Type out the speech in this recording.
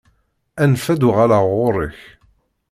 Anef ad d-uɣaleɣ ɣur-k.